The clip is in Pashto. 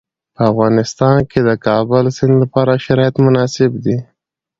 په افغانستان کې د کابل سیند لپاره شرایط مناسب دي.